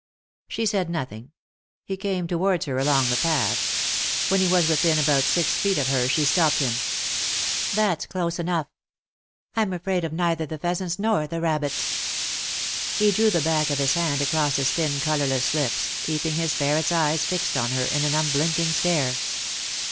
She said nothing ; he came towards her along the path. When he was within about six feet of her she stopped him. "That's close enough. I'm afraid of neither the pheasants nor the rabbits." He drew the back of his hand across his thin colourless lips, keeping his ferret's eyes fixed on her in an unblinking stare.